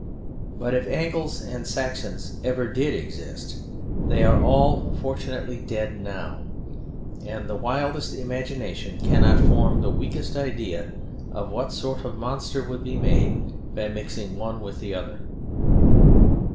But if Angles and Saxons ever did exist, they are all fortunately dead now; and the wildest imagination cannot form the weakest idea of what sort of monster would be made by mixing one with the other.